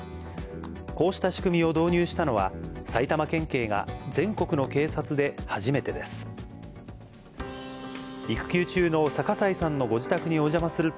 こうした仕組みを導入したのは、埼玉県警が全国の警察で初めてです。